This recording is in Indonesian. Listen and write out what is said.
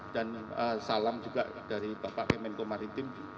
dan salam juga dari bapak kemenko maritim